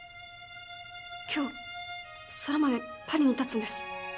今日空豆パリにたつんです